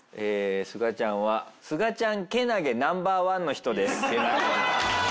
すがちゃんはすがちゃんけなげＮｏ．１の人です。